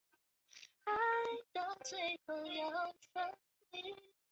所放出的蓝光会被绿色荧光蛋白转变为绿光。